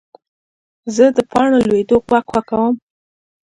زه د پاڼو لوېدو غږ خوښوم.